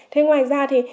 thế ngoài ra thì